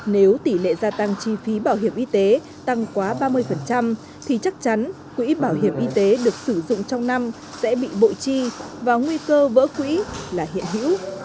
nếu tỷ lệ gia tăng chi phí bảo hiểm y tế tăng quá ba mươi thì chắc chắn quỹ bảo hiểm y tế được sử dụng trong năm sẽ bị bộ chi và nguy cơ vỡ quỹ là hiện hữu